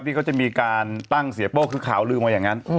ที่เขาจะมีการตั้งเสียโป้คือข่าวลืมว่าอย่างนั้น